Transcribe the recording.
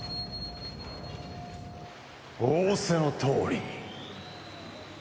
仰せのとおりに。